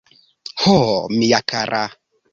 Ho, mia kara!